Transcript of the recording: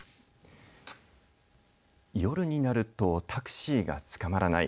夜になるとタクシーがつかまらない。